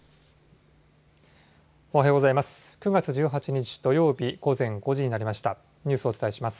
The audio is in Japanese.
おはようございます。